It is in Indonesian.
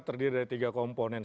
terdiri dari tiga komponen